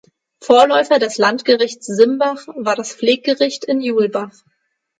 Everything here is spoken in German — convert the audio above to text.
Vorläufer des Landgerichts Simbach war das Pfleggericht in Julbach.